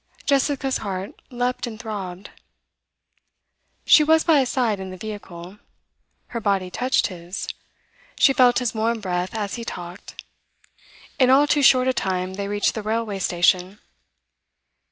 Jessica's heart leapt and throbbed. She was by his side in the vehicle. Her body touched his. She felt his warm breath as he talked. In all too short a time they reached the railway station.